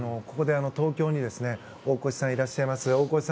ここで東京に大越さんがいらっしゃいます。